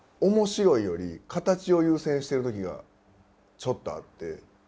面白いより形を優先してる時がちょっとあって。